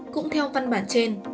cũng theo văn bản trên